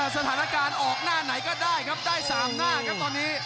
สถานการณ์ออกหน้าไหนก็ได้ครับได้๓หน้าครับตอนนี้